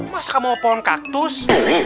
masa kamu mau pohon kaktus